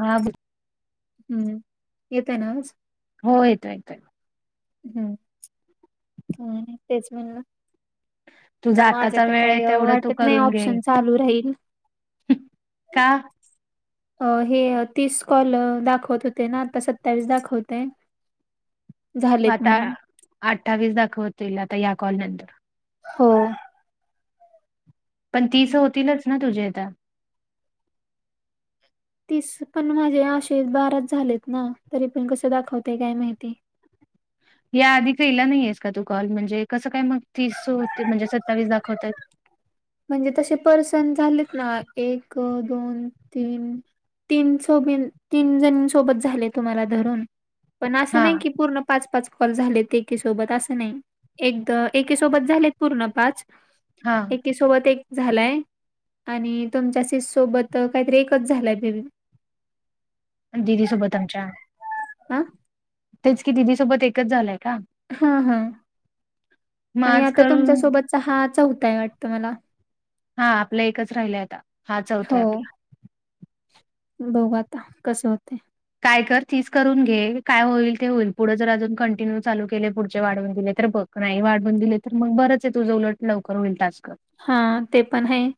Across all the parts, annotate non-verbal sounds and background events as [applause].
हा हम्म येतंय ना आवाज हो येतो येतोय हम्म काय नाही तेच म्हणल तुझा आताचा वेळ आहे अ, तेवढं तू वाटत नाही करून घे ऑप्शन चालू राहील. का अ हे तीस कॉल दाखवत होते ना आता सत्तावीस दाखवतय [inaudible] मग आता म्हणून अठ्ठावीस दाखवतील आता या कॉल नंतर हो पण तीस होतीलच ना तुझे आता तीस पण माझे अशे बाराच झालेत ना तरी पण कसं दाखवतय काय माहिती या आधी केला नाहीेयस का तू कॉल म्हणजे कसं काय मग तीस होते म्हणजे सत्तावीस दाखवतायत म्हणजे तसे पर्सन झालेत ना एक दोन तीन तीन सोबीन तीन जणी सोबत झाले तुम्हाला धरून पण असं हा नाही की पूर्ण पाच पाच कॉल झालेत एकीसोबत असं नाही एकदा एकी सोबत झालेत पूर्ण पाच हा एकीसोबत एक झालाय आणि तुमच्या सिस सोबत काहीतरी एकच झालाय बेबी दिदी सोबत आमच्या. आ. तेच की दिदी सोबत एकच झालंय का. हा हा मग आणि आज आता करून तुमच्यासोबतचा हा चौथाय वाटतं मला. हा आपलं एकच राहिलंय आता हा चौथाय हो आपला. बघू आता कस होतय काय कर तीस करून घे काय होईल ते होईल पुढे जर अजून कंटिन्यू चालू केले पुढचे वाढवून दिले तर बघ. नाही वाढवून दिले तर मग बरच आहे तुज उलट लवकर होईल टास्क हा ते पण हाय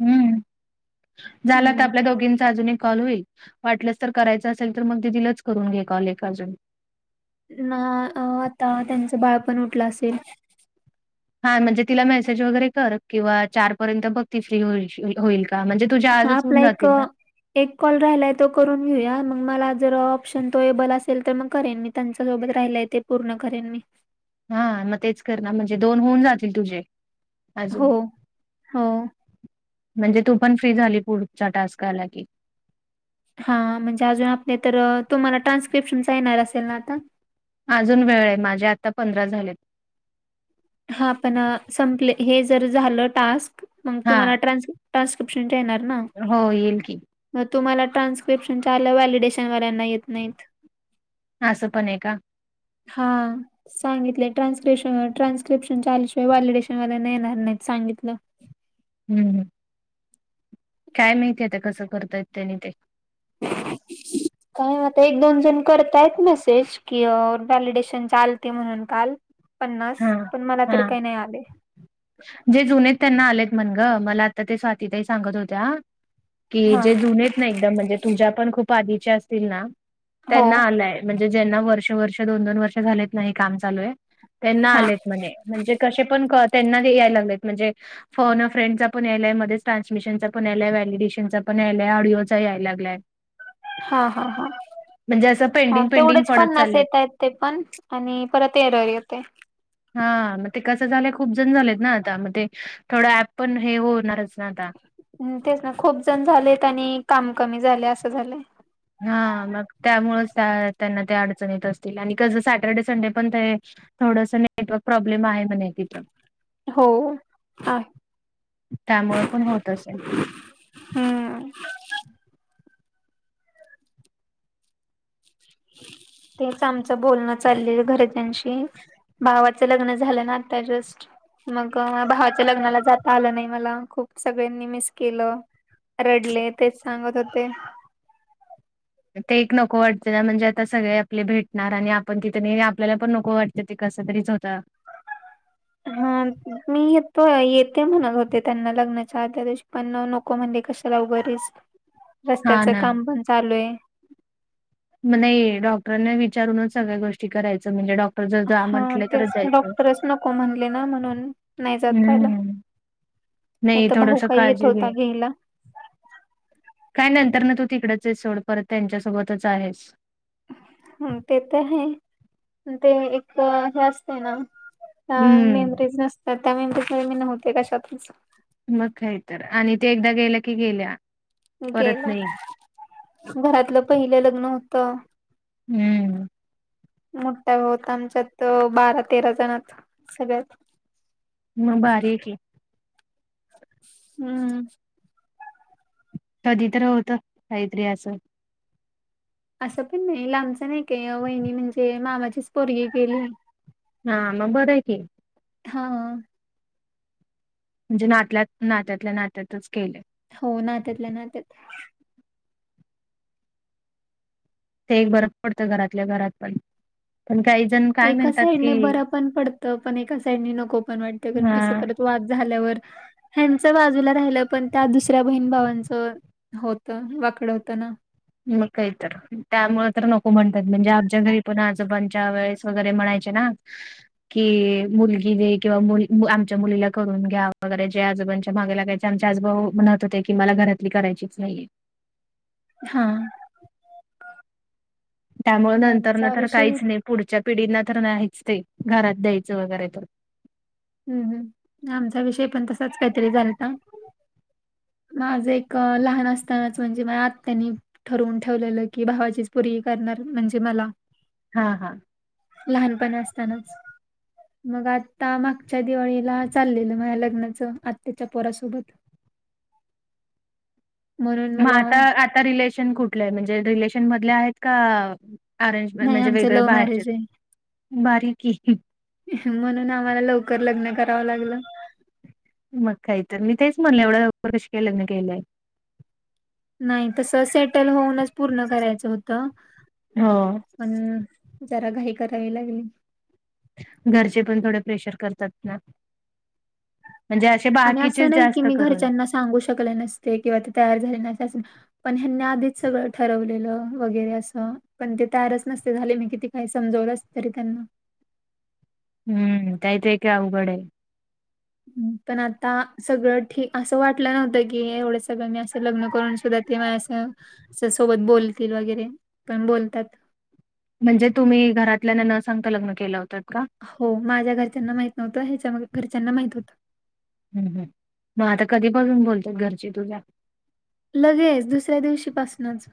हम्म. झाला त हम्म आपल्या दोघींचा अजून एक कॉल होईल. वाटलंस तर करायचं असेल तर मग दिदिलाच करून घे कॉल एक अजून. ना अ आता त्यांचं बाळ पण उठलं असेल. हा म्हणजे तिला मेसेज वगैरे कर किंवा चार पर्यंत बघ ती फ्री होशी होईल का म्हणजे. तुझे हा आजच आपला होऊन एक. जातील ना. एक कॉल राहिलाय तो करून घेऊया मग मला जर ऑप्शन तो एबल असेल तर मग करेन मी. त्यांच्या सोबत राहिलाय ते पूर्ण करेन मी. हा मग तेच करणार म्हणजे दोन होऊन जातील तुझे अजून. हो हो म्हणजे तू पण फ्री झाली पुढच्या टास्क आला की. हा म्हणजे अजून आपले तर तुम्हाला ट्रान्स्क्रिप्शन चा येणार असेल ना आता? अजून वेळ आहे माझे आता पंधरा झालेत. हा पण संपले हे जर झालं टास्क मग तुम्हाला हां. ट्रान्स. ट्रान्सस्क्रीप्शन चे येणार ना? हो येईल की. मग तुम्हाला ट्रान्स्क्रिप्शन चे आलं व्हॅलिडेशनवाल्या्ना येत नाहीत. असं पण आहे का? हा सांगितले ट्रान्स्क्रेशन वर ट्रान्स - क्रिप्शनचे आल्या शिवाय वॅलिडेशनला येणार नाहीत सांगितलं. हम्.. काय माहिती आता कसं करता येत त्यानी ते? काय व ता दोन तीन करतायत मेसेज. की व्हॅलिडेशन चालते म्हणून काल पन्नास हां, पण मला तर हां. काई नाही आले. जे जुनेत त्यांना आलेत मण ग मला आता ते स्वातीताई सांगत होत्या. कि हा जे जुनेत ना एकदम म्हणजे तुझ्या पण खूप आधीच्या असतील ना हो त्यांना आलाय. म्हणजे ज्यांना वर्ष वर्ष दोन दोन वर्ष झालेत नाही काम चालू ए त्यांना हा आलेत म्हणे. म्हणजे कशे पण क त्यांना ते यायला लागलेत म्हणजे फोन अ फ्रेंडचा पण यायलाय मध्येच ट्रान्समिशनचा पण यायले व्हॅलिडेशनचा पण यायलाय ऑडिओचा यायला लागलाय. हा हा हा. म्हणजे असं हा. पेंडिंग, पेंडिंग तेवढेच पडत पन्नास चाललेत. येतायेत. ते पण आणि परत एरर येते. हा.. म ते कसं झालंय खूप जण झालेत ना आता मग ते थोडं ऍप पण हे होणारच ना आता. ह् तेच ना. खूप जण झालेत आणि काम कमी झाले असं झालंय. हा.. मग त्यामुळंच त्या त्यांना ते अडचण येत असतील आणि कस सॅटर्डे संडे पण ते थोडसं नेटवर्क प्रॉब्लेम आहे म्हणे तिथं. हो. आ त्यामुळं पण होत असेल. हम्म तेच आमचं बोलणं चालले घरच्यांशी. भावाचं लग्न झालं ना आता जस्ट. मग भावाच्या लग्नाला जाता आलं नाई मला. खूप सगळ्यांनी मिस केलं. रडले. तेच सांगत होते. ते एक नको वाटतं ना म्हणजे आता सगळे आपले भेटणार आणि आपण तिथं नाई आपल्याला पण नको वाट ते कस तरीच होतं. हा.. मी येतो येते म्हणत होते त्यांना लग्नाच्या अदल्या दिवशी पण न नक को म्हणे कशाला उग रीस, हां रस्त्याचं ना. काम पण चालू ए. नई.. डॉक्टरने विचारूनच सगळ्या गोष्टी करायचं म्हणजे डॉक् हा.. तेच. डॉक्टरच नको म्हणले ना म्हणून नाही जाता आलं. हम्म, नाई नाही त भाऊ थोडंसं काय येत काळजी घे. होता घेयला. काय नंतर ना तू तिकडच चेस, सोड परत त्यांच्यासोबतच आहेस. ह! ते तर हाए ते एक हे असते ना. हा.. हम्म. मेमरीज नसतात. त्या मेंबरी मी नव्हते कशातच. मग काय तर आणि ते एकदा गेल्या की गेल्या. परत गेला. नाही. घरातलं पहिलं लग्न होतं. हम्म. मोटा भाव आमच्यात बारा तेरा जणात सगळ्यात. म बारी ए की. हम्म. तधी तर होतं काईतरी असं. असं पण नाही लांबचं नाही काई. वहिणी म्हणजे मामाचीच पोगी केलीए. हा. म बरं ए की. हा हा. म्हणजे नातल्यात नात्यातल्या नात्यातच केली. हो नात्यातल्या नात्यात ते एक बरफ पडतं घरातल्या घरात पण. पण काही जण काय एका म्हणतात साईडने की बरं पण पडतं. पण एका साईडने नको पण वाटतं कारण कस हा. परत वाद झाल्यावर, ह्यांच बाजूला राहिलं पण त्या दुसऱ्या बहीण भावांचं हो त, वाकड होतं ना. म काई तर, त्यामुळं तर नको म्हणतात म्हणजे आमच्या घरी पण आजोबांच्या वेळेस वगरे म्हणायचे ना. कि मुलगी दे किंवा आमच्या मुलीला करून घ्या. वगैरे जे आजोबांच्या मागे लागायचे आमचे आज भाऊ म्हणत होते की, मला घरातली करायचीच नाहीये. हा त्यामुळ आणि नंतर न आमचा तर विषय काहीच नाही. पुढच्या पिढींना तर नाहीच ते. घरात द्यायचं वगैरे तर हम्म हम्म आमचा विषय पण तसाच काहीतरी झालता. माझं एक लहान असतानाच म्हणजे माझ्या आत्यानी ठरवून ठेवलेलं की भावाचीच पोरगी करणार म्हणजे मला. हा हा लहानपणा असतानाच. मग आता मग या दिवाळीला चाललेलं माझ्या लग्नाचं आत्याच्या पोरासोबत. [inaudible] म्हणून मग मला आता आता रिलेशन कुठलं आहे. म्हणजे रिलेशन मधले आहेत का अरेंजमें नाही म्हणजे आमचं वेगळे लव्ह बाहेरचे. मॅरेज भारीकी म्हणून आम्हाला लवकर लग्न करावं लागलं. मग काही तर मी तेच म्हणलं एवढं लवकर कशी काय लग्न केलंय. नाही तस सेटल होऊनच पूर्ण करायच होत. ह पण जरा घाई करावी लागली. घरचे पण थोड प्रेशर करतात ना. म्हणजे आणि असं बाकीचेच नाही की जास्त मी करून. घरच्यांना सांगू शकले नसते. किंवा ते तयार झाले नसते. अस पण ह्यांनी आधीच सगळं ठरवलेल वगैरे असं पण ते तयारच नसते झाले. मी किती काही समजवल असत तरी त्यांना हम्म काही ते काही अवघड आहे. पण आता सगळं ठी असं वाटलं नव्हतं की एवढं सगळं मी असं लग्न करून सुद्धा ते माझ्या स सोबत बोलतील वगैरे पण बोलतात. म्हणजे तुम्ही घरातल्यां न सांगता लग्न केलं होतत का? हो माझ्या घरच्यांना माहित नव्हत. ह्याच्या घरच्यांना माहित होत. हम्म हम्म मग आता कधीपासून बोलतात घरची तुझ्या. लगेच दुसऱ्या दिवशीपासनच.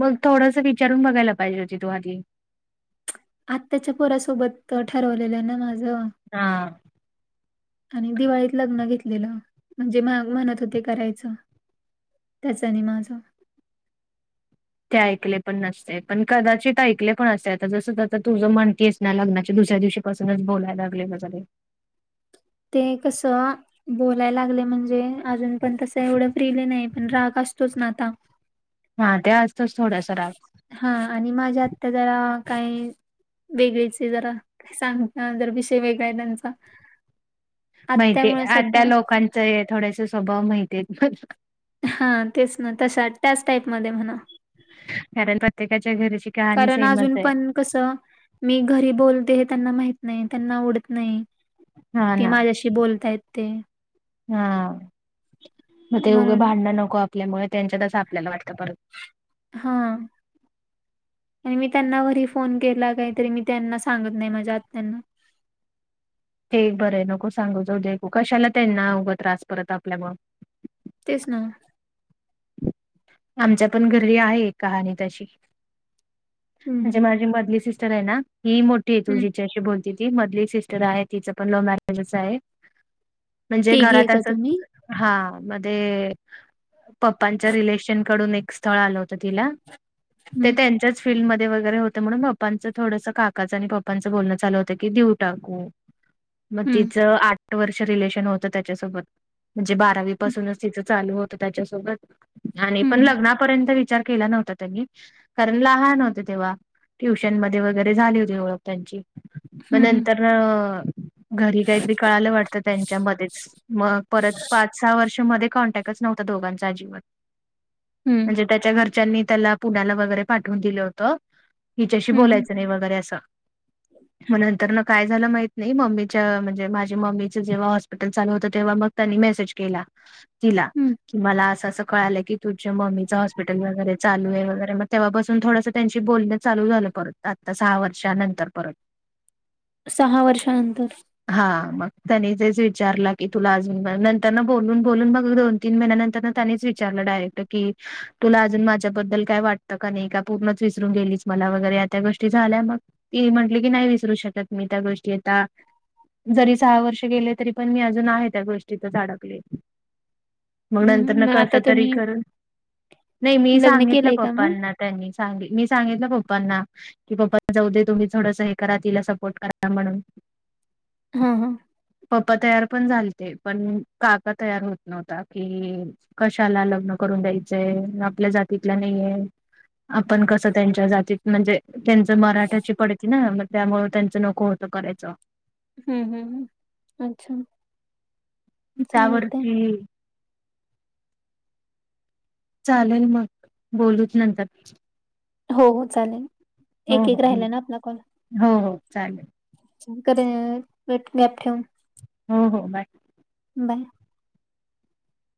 मग थोडंस विचारून बघायला पाहिजे होती तू आधी. आत्ताच्या पोरासोबत ठरवलेलं ना माझं हा [inaudible] आणि दिवाळीत लग्न घेतलेल. म्हणजे म्हणत होते करायच. त्याचा आणि माझ. ते ऐकले पण नसते. पण कदाचित ऐकले पण असते. आता जस आता तुझं म्हणतीयस लग्नाच्या दुसऱ्या दिवशी पासूनच बोलायला लागले माझ्या ते. ते कस बोलाय लागले म्हणजे अजून पण तसं एवढं फ्रीले नाही. पण राग असतोच ना आता. हा ते असतोच थोडसा राग. हा आणि माझ्या आत्या जरा काय वेगळीच आहे जरा. सांग जर विषय वेगळा आहे त्यांचा. माहिती आत्यामुळे आहे सध्या आत्या लोकांचे थोडेसे स्वभाव माहिती आहेत मला हा तेच ना तस त्याच टाईप मध्ये म्हणा कारण प्रत्येकाच्या घरीची कारण अजून पण कस मी घरी बोलते हे त्यांना माहीत नाही. त्यांना उवडत नाही. हा ते ना माझ्याशी बोलतायेत ते. हा मग ते उगं म्हणून भांडणं नको आपल्यामुळे त्यांच्यातसं आपल्याला वाटतं परत, हा. आणि मी त्यांनावरही फोन केला काहीतरी मी त्यांना सांगत नाही माझ्या आत्यांना. ते बरं आहे नको सांगू जाऊ देू कशाला त्यांना अवघं त्रास परत आपल्या मुळ. तेच ना! आमच्या पण घरीली आहे कहा आणि तशी, हं, म्हणजे हं, माझी मधली सिस्टर आहे ना ही मोठी आहे तु हं. जिच्या. बोलती ती मधली सिस्टर आहे तिचं पण लव्ह मॅरेजच आहे. म्हणजे तिघी आहे घरात का अस तुम्ही? हा मध्ये, पप्पांच्या रिलेशन कडून एक स्थळ आलं होतं तिला. ते हं, त्यांच्याच फीलडमध्ये वगैरे होते म्हणून. पांच थोडस काकाच आणि पप्पांचं बोलणं चाल होत की देऊ टाकू मग हं, तिचं आठ आठ वर्ष रिलेशन होत त्याच्यासोबत म्हणजे बारावी हं, पासूनच तिचं चालू होतं त्याच्या स आणि पण हं, लग्नापर्यंत विचार केला नव्हता त्यांनी. करण लहान होते तेव्हा ट्युशन मध्ये वगैरे झाली होती ओळख त्यांची. मग हं, हं, नंतर घरी काहीतरी कळायला वाटतं त्यांच्यामध्येच. मग परत पाच सहा वर्षमध्ये कॉन्टॅक्टच नव्हता दोघांचा. हं, म्हणजे त्याच्या घर नी त्याला पुला वगैरे पाठवून दिलं होत. हिच्याशी हं, हं, बोलायचं नाही वगैरे असं. मग नंतर ना काय झालं माहत नाही मम्मीच्या म्हणजे माझे मम्मीचं जेव्हा. चाललं होतं मग तेव्हा मग त्यांनी मेसेज केला. हिला हं. मला आज असं कळालं की तुझे म्मीं हॉस्पिटल वगैरे चालू आहे. वगैरेग ते्हापसून थोडं त्यांची बोलण चालू झालं. परत आता सहा वर्ष नंतर परत. सहा वर्षानंतर. हा मग त्यांनी तेच विचारलं की तुला अजून नंतर बोलून बोलून बघ दोन तीन महिन्या नंतर त्यांनीच विचारलं डायरेक्ट की, तुला अजून माझ्याबद्दल काय वाटतं का नाही का पूर्णच विसरून गेलीच मला वगैरे या त्या गोष्टी झाल्या मग, ती म्हटली की नाही विसरू शकत मी त्या गोष्टी आता, जरी सहा वर्ष गेले तरी पण मी अजून आहे त्या गोष्टीत अडकले. मग हं, नंतर हं. न मग कस आता तरी तुम्ही करून नाही मी लग्न सांगितलं केलंय का मग? पप्पांना. त्यांनी सांग मी सांगितलं पप्पांना. कि पप्प जाऊ देय तुम्ही थोडंस हे करा तिला सपोर्ट करा म्हणून. हा हा. पप्पा तयार पण झालते पण काका तयार होत नव्हता कि, कशाला लग्न करून द्यायचंय आपल्या जातीतलं नाहीय. आपण कसं त्यांच्या जातीत म्हणजे त्यांचं मराठ्याची पडती ना मग त्यामु त्यांचं नको होत. करायचं. हम्म हम्म् अच्छा! चालतंय. त्यावरती, चालेल मग बोलूत नंतर. हो हो चालेल. हो एक हो एक राहिला ना आपला हो हो चालेल. क गॅप ठेवून. हो हो बाॅय. बाय!